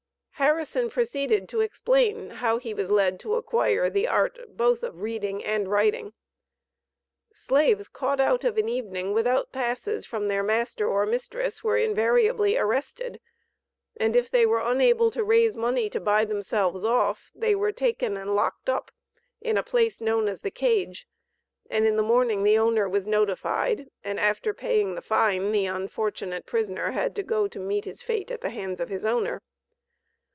Harrison proceeded to explain how he was led to acquire the art both of reading and writing: "Slaves caught out of an evening without passes from their master or mistress, were invariably arrested, and if they were unable to raise money to buy themselves off, they were taken and locked up in a place known as the 'cage,' and in the morning the owner was notified, and after paying the fine the unfortunate prisoner had to go to meet his fate at the hands of his owner."